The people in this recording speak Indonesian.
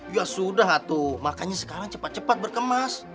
ya sudah tuh makanya sekarang cepat cepat berkemas